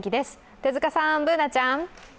手塚さん、Ｂｏｏｎａちゃん。